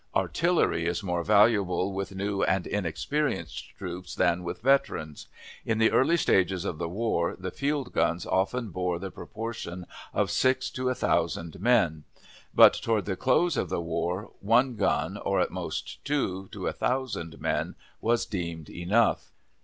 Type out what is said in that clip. Artillery is more valuable with new and inexperienced troops than with veterans. In the early stages of the war the field guns often bore the proportion of six to a thousand men; but toward the close of the war one gun; or at most two, to a thousand men, was deemed enough.